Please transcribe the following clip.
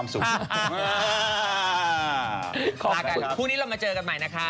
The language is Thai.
สบาย